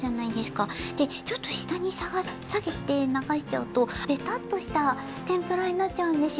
でちょっとしたにさげてながしちゃうとベタッとしたてんぷらになっちゃうんですよ。